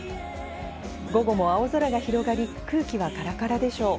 午後も青空が広がり、空気はカラカラでしょう。